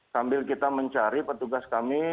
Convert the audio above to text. sambil kita mencari petugas kami